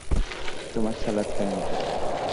তোমরা সালাত কায়েম কর।